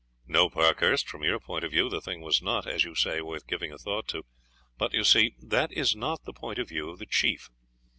"No, Parkhurst, from your point of view the thing was not, as you say, worth giving a thought to; but, you see, that is not the point of view of the chief.